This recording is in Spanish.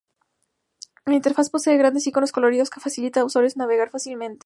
La interfaz posee grandes iconos coloridos que facilita a los usuarios navegar fácilmente.